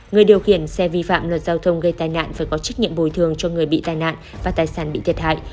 người điều khiển xe vi phạm luật giao thông gây tai nạn phải có trách nhiệm bồi thường cho người bị tai nạn và tài sản bị thiệt hại